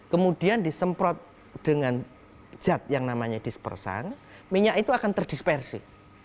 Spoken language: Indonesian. kemudian disemprot dengan zat yang namanya dispersan minyak itu akan terdispersi